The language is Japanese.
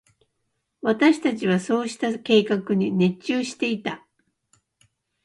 私達はそうした計画に熱中していた。